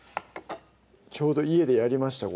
ちょうど家でやりました